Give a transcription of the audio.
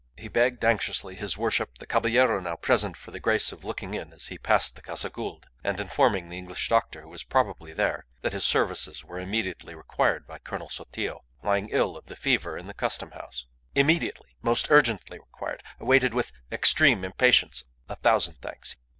He begged anxiously his worship the caballero now present for the grace of looking in as he passed the Casa Gould, and informing the English doctor, who was probably there, that his services were immediately required by Colonel Sotillo, lying ill of fever in the Custom House. Immediately. Most urgently required. Awaited with extreme impatience. A thousand thanks.